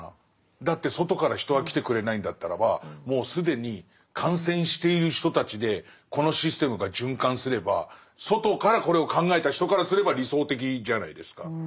だって外から人は来てくれないんだったらばもう既に感染している人たちでこのシステムが循環すれば外からこれを考えた人からすれば理想的じゃないですか。